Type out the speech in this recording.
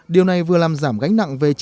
điều này vừa làm giảm gánh nặng về chi phí